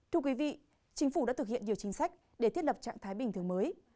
thưa quý vị chính phủ đã thực hiện nhiều chính sách để thiết lập trạng thái bình thường mới